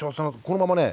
このままね